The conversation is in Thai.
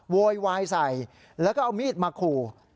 โวยวายใส่แล้วก็เอามีดมาขู่